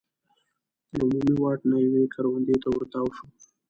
له عمومي واټ نه یوې کروندې ته ور تاو شو.